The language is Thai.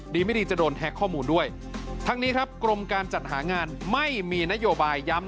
ไม่ดีจะโดนแฮ็กข้อมูลด้วยทั้งนี้ครับกรมการจัดหางานไม่มีนโยบายย้ำ